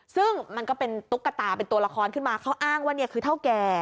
ซึ่งมันก็เป็นตุ๊กตาเป็นตัวละครขึ้นมาเขาอ้างว่าเนี่ยคือเท่าแก่